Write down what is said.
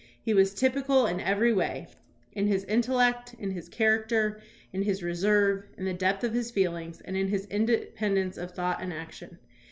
He was typical in every way, in his intellect, in his character, in his reserve, in the depth of his feelings, and in his independence of thought and action.